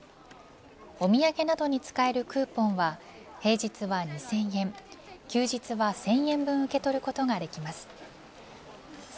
おみやげなどに使えるクーポンは平日は２０００円休日は１０００円分受け取ることができます。